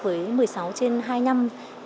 với một mươi sáu trên hai năm